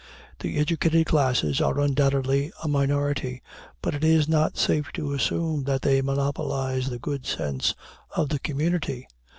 The educated classes are undoubtedly a minority; but it is not safe to assume that they monopolize the good sense of the community.